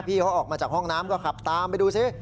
พี่เขาออกมาจากห้องน้ำก็ขับตามไปดูสิ